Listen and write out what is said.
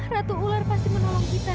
ratu ular pasti menolong kita